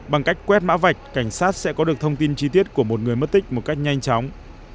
bằng cách quét mã vạch cảnh sát sẽ có được thông tin chi tiết của một người mất tích một cách nhanh chóng